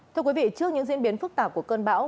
thưa quý vị trước những diễn biến phức tạp của cơn bão